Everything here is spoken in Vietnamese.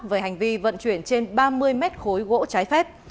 về hành vi vận chuyển trên ba mươi mét khối gỗ trái phép